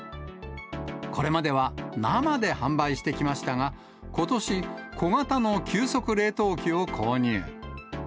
これまでは生で販売してきましたが、ことし、小型の急速冷凍機を購入。